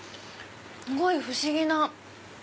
すごい不思議な。